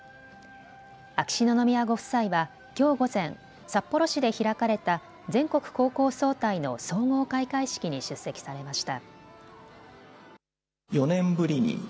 秋篠宮ご夫妻はきょう午前、札幌市で開かれた全国高校総体の総合開会式に出席されました。